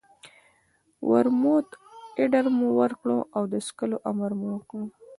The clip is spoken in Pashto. د ورموت اډر مو ورکړ او د څښلو امر مو وکړ.